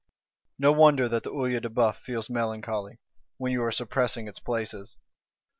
No wonder that the Œil de Bœuf feels melancholy, when you are suppressing its places!